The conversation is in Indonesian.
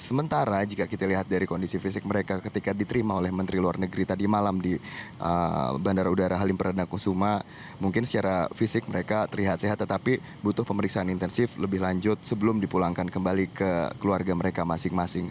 sementara jika kita lihat dari kondisi fisik mereka ketika diterima oleh menteri luar negeri tadi malam di bandara udara halim perdana kusuma mungkin secara fisik mereka terlihat sehat tetapi butuh pemeriksaan intensif lebih lanjut sebelum dipulangkan kembali ke keluarga mereka masing masing